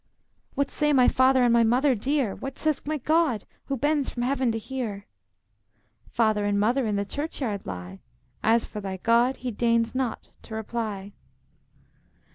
"What say my Father and my Mother dear? What says my God, who bends from heaven to hear?" "Father and Mother in the churchyard lie. As for thy God, he deigns not to reply."